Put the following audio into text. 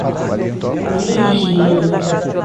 Vigia